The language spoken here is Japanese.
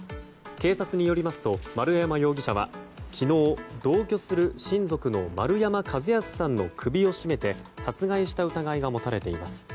警察によりますと丸山容疑者は昨日、同居する丸山和容さんの首を絞めて殺害した疑いが持たれています。